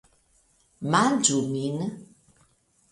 Manĝu Min.